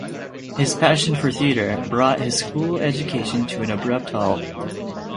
His passion for theatre brought his school education to an abrupt halt.